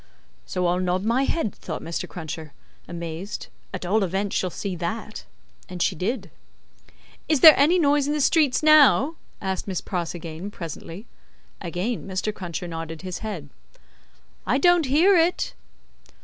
"So I'll nod my head," thought Mr. Cruncher, amazed, "at all events she'll see that." And she did. "Is there any noise in the streets now?" asked Miss Pross again, presently. Again Mr. Cruncher nodded his head. "I don't hear it."